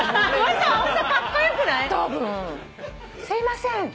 「すいません」